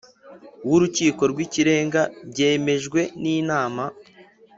w Urukiko rw Ikirenga byemejwe n Inama